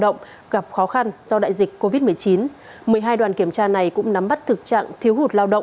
động gặp khó khăn do đại dịch covid một mươi chín một mươi hai đoàn kiểm tra này cũng nắm bắt thực trạng thiếu hụt lao động